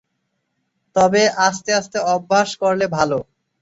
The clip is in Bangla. তবে আস্তে আস্তে অভ্যাস করলে ভালো।